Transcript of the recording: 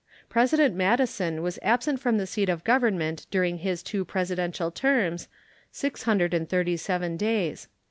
President Madison was absent from the seat of Government during his two Presidential terms six hundred and thirty seven days.